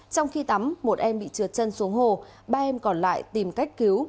trong khi tắm một em bị trượt chân xuống hồ ba em còn lại tìm cách cứu